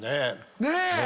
ねえ！